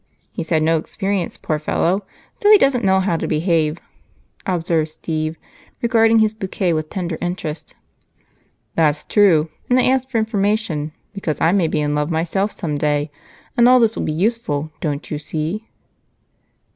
He's had no experience, poor fellow, so he doesn't know how to behave," observed Steve, regarding his bouquet with tender interest. "That's true, and I asked for information because I may be in love myself someday and all this will be useful, don't you see?"